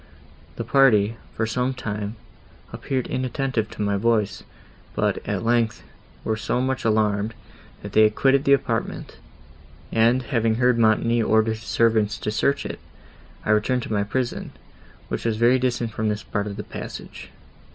The party, for some time, appeared inattentive to my voice; but, at length, were so much alarmed, that they quitted the apartment; and, having heard Montoni order his servants to search it, I returned to my prison, which was very distant from this part of the passage."